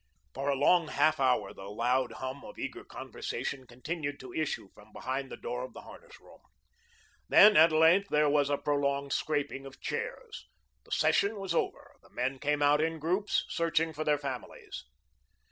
For a long half hour the loud hum of eager conversation continued to issue from behind the door of the harness room. Then, at length, there was a prolonged scraping of chairs. The session was over. The men came out in groups, searching for their families.